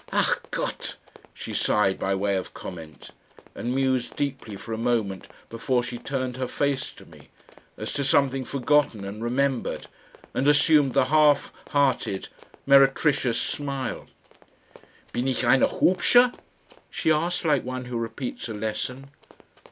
"Ach Gott!" she sighed by way of comment, and mused deeply for a moment before she turned her face to me, as to something forgotten and remembered, and assumed the half hearted meretricious smile. "Bin ich eine hubsche?" she asked like one who repeats a lesson.